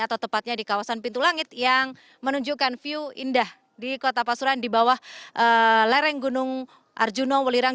atau tepatnya di kawasan pintu langit yang menunjukkan view indah di kota pasuran di bawah lereng gunung arjuna welirang